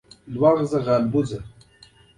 دوج په راتلونکي کې د قاضیانو تابع اوسي